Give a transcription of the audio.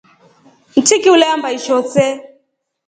Nchiki uleamba isho see.